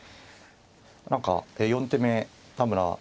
何か４手目田村さん